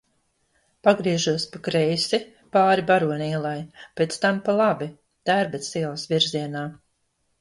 Pagriežos pa kreisi, pāri Barona ielai, pēc tam pa labi, Tērbatas ielas virzienā.